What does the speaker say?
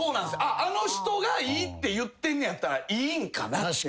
あの人がいいって言ってんのやったらいいんかなっていう。